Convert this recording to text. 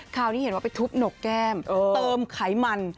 คราวนี้เห็นว่าไปทุบหนกแก้มเติมไขมัน